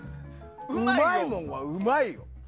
うまいもんは、うまいよ。